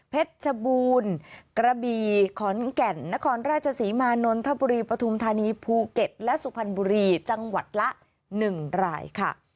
ชบูรณ์กระบีขอนแก่นนครราชศรีมานนทบุรีปฐุมธานีภูเก็ตและสุพรรณบุรีจังหวัดละ๑รายค่ะ